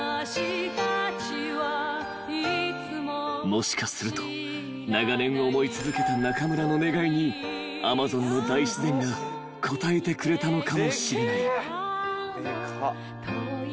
［もしかすると長年思い続けた中村の願いにアマゾンの大自然が応えてくれたのかもしれない］